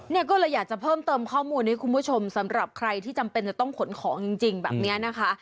เนี่ยก็เลยอยากจะเพิ่มเติมข้อมูลให้คุณผู้ชมสำหรับใครที่จำเป็นจะต้องขนของจริงแบบนี้นะคะ